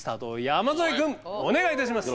山添君お願いいたします。